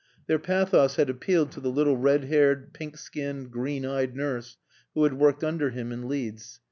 Their pathos had appealed to the little red haired, pink skinned, green eyed nurse who had worked under him in Leeds.